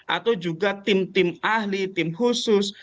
atau juga tim tim ahli tim khusus